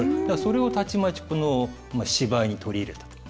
それをたちまちこの芝居に取り入れた。